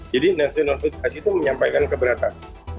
jadi national federasi itu menyampaikan keberatan